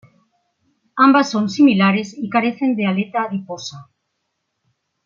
Ambas son similares y carecen de aleta adiposa.